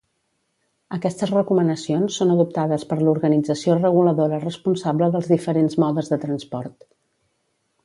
Aquestes recomanacions són adoptades per l'organització reguladora responsable dels diferents modes de transport.